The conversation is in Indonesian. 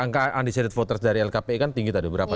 angka undecided voters dari lkpi kan tinggi tadi berapa